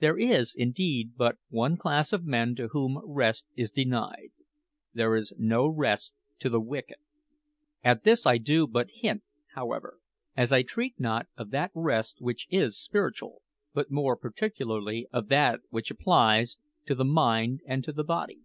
There is, indeed, but one class of men to whom rest is denied there is no rest to the wicked. At this I do but hint, however, as I treat not of that rest which is spiritual, but more particularly of that which applies to the mind and to the body.